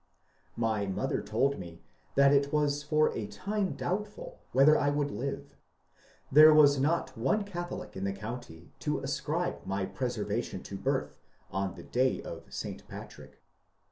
My mother told me that it was for a time doubtful whether I would live. There was not one Catholic in the county to ascribe my preservation to birth on the day of St. Patrick.